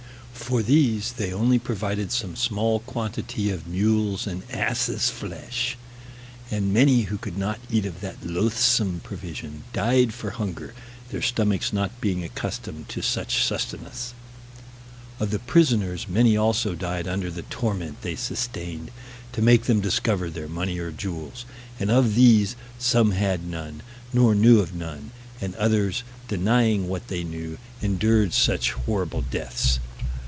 For these they only provided some small quantity of mules' and asses' flesh; and many who could not eat of that loathsome provision died for hunger, their stomachs not being accustomed to such sustenance. Of the prisoners many also died under the torment they sustained to make them discover their money or jewels; and of these, some had none, nor knew of none, and others denying what they knew, endured such horrible deaths.